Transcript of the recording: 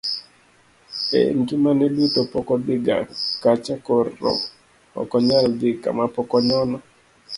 e ngimane duto pok odhi ga kacha koro ok nonyal dhi kama pok onyono